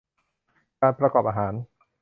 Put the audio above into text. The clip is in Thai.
การประกอบอาหาร